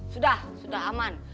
sudah sudah aman